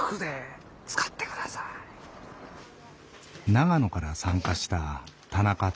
長野から参加した田中哲。